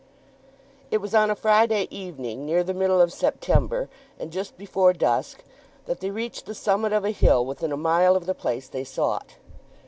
It was on a Friday evening, near the middle of September and just before dusk, that they reached the summit of a hill within a mile of the place they sought.